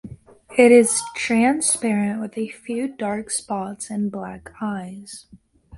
It is transparent with a few dark spots and black eyes.